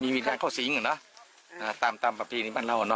มีวิทยาเข้าสิงห์เนอะตามประพรีนี้บ้านเราเนอะ